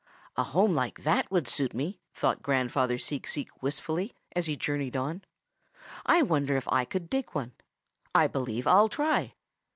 "'A home like that would suit me,' thought Grandfather Seek Seek wistfully, as he journeyed on. 'I wonder if I could dig one. I believe I'll try.'